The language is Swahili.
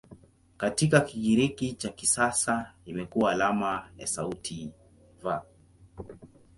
Katika Kigiriki cha kisasa imekuwa alama ya sauti "V".